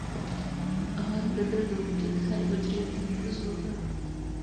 غږ د ده د وجود هرې حجرې ته نفوذ وکړ.